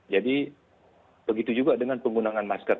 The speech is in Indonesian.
jadi begitu juga dengan penggunaan masker